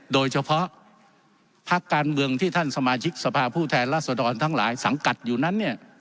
โดยเฉพาะพักการเมืองที่ท่านสมาชิกสภาพผู้แทนรัศดรทั้งหลายสังกัดอยู่นั้นเนี่ย